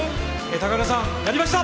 高倉さんやりました！